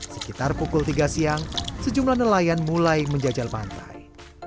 sekitar pukul tiga siang sejumlah nelayan mulai menjajal pantai